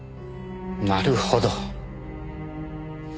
なるほど。